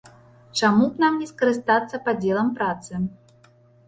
Чаму б нам не скарыстацца падзелам працы?